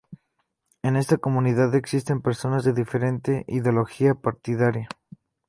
En esta comunidad existen personas de diferente ideología partidaria.